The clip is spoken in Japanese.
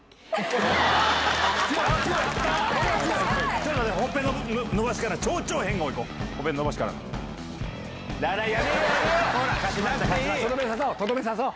ちょっと待って、ほっぺ伸ばしから超超変顔いこう。